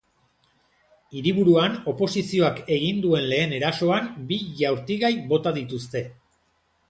Hiriburuan oposizioak egin duen lehen erasoan, bi jaurtigai bota dituzte.